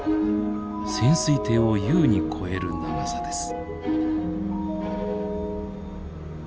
潜水艇を優に超える長さです。